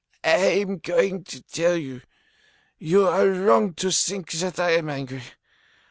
I am going to tell you. You are wrong to think that I am angry.